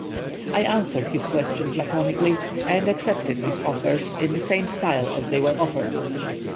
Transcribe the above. I answered his questions laconically, and accepted his offers in the same style as they were offered.